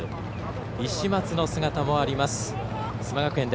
石松の姿もあります。